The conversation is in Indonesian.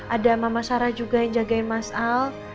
ada mama sarah juga yang jagain mas al